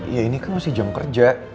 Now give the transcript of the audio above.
ya ini kan masih jam kerja